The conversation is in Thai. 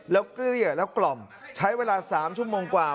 แล้วเกลี้ยแล้วกล่อมใช้เวลา๓ชั่วโมงกว่า